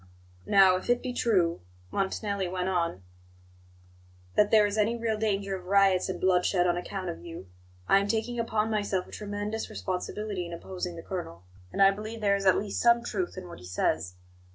"Now, if it be true," Montanelli went on, "that there is any real danger of riots and bloodshed on account of you, I am taking upon myself a tremendous responsibility in opposing the colonel; and I believe there is at least some truth in what he says.